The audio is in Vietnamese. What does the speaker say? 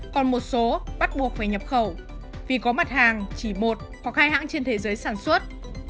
còn một số bắt buộc phải nhập khẩu vì có mặt hàng chỉ một hoặc hai hãng trên thế giới sản xuất